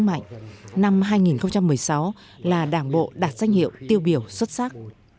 mạnh năm hai nghìn một mươi sáu là đảng bộ đạt danh hiệu tiêu biểu xuất sắc